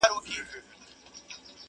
o د گل د رويه اغزى هم اوبېږي!